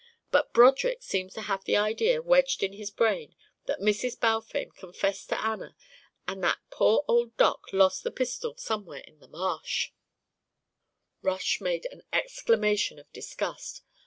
But Broderick seems to have the idea wedged in his brain that Mrs. Balfame confessed to Anna and that poor old Doc lost the pistol somewhere out in the marsh " Rush made an exclamation of disgust.